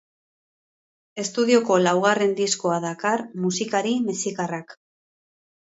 Estudioko laugarren diskoa dakar musikari mexikarrak.